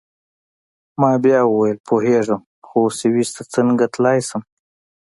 ما بیا وویل: پوهیږم، خو سویس ته څنګه تلای شم؟